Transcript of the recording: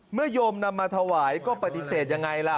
เมื่อยมนำมาถวายก็ปฏิเสธอย่างไรล่ะ